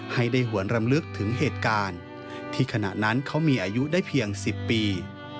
ให้ได้หวนรำลึกถึงเหตุการณ์ที่ขณะนั้นเขามีอายุได้เพียง๑๐ปี